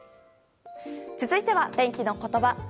続いては天気のことば。